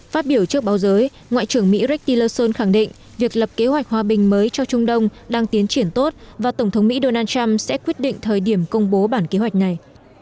phát biểu trước báo giới ngoại trưởng mỹ rekil loson khẳng định việc lập kế hoạch hòa bình mới cho trung đông đang tiến triển tốt và tổng thống mỹ donald trump sẽ quyết định thời điểm công bố bản kế hoạch này